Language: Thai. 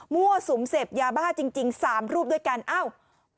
สุมเสพยาบ้าจริงจริงสามรูปด้วยกันอ้าว